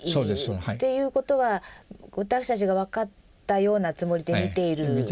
っていうことは私たちが分かったようなつもりで見ていることは。